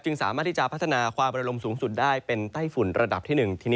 สามารถที่จะพัฒนาความระลมสูงสุดได้เป็นไต้ฝุ่นระดับที่๑